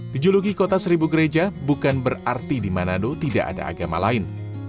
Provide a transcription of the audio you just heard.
dijuluki kota seribu gereja bukan berarti di manado tidak ada agama lain